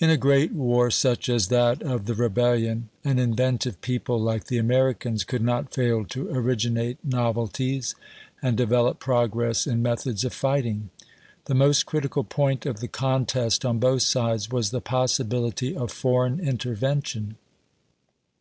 TN a great war such as that of the rebellion an JL inventive people like the Americans could not fail to originate novelties and develop progress in methods of fighting. The most critical point of the contest on both sides was the possibility of foreign intervention.